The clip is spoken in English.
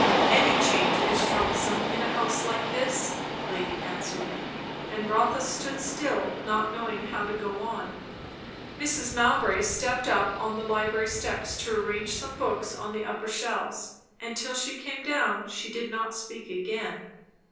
"Any change is troublesome in a house like this," the lady answered; and Rotha stood still, not knowing how to go on. Mrs. Mowbray stepped up on the library steps to arrange some books on the upper shelves; and till she came down she did not speak again.